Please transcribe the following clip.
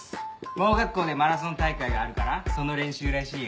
盲学校でマラソン大会があるからその練習らしいよ。